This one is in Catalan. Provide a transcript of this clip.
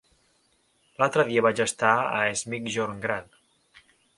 L'altre dia vaig estar a Es Migjorn Gran.